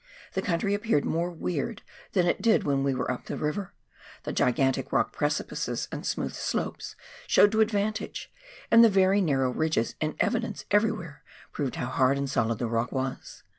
The country appeared more weird than it did when we were up the river, the gigantic rock precipices and smooth slopes showed to advantage, and the very narrow ridges in evidence every where, proved how hard and solid the rock was.